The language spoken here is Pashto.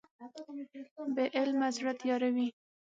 بې علمه زړه تیاره وي.